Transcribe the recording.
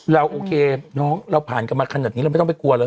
เราโอเคน้องเราผ่านกันมาขนาดนี้เราไม่ต้องไปกลัวเลย